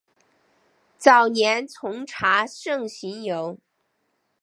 早年从查慎行游。